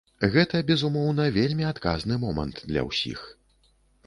Гэта, безумоўна, вельмі адказны момант для ўсіх.